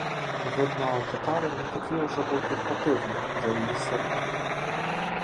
Видно, "татарин" не такий уже був і противний для її серденька.